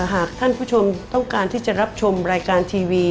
หากท่านผู้ชมต้องการที่จะรับชมรายการทีวี